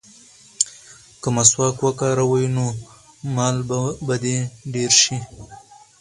که مسواک وکاروې نو مال به دې ډېر شي.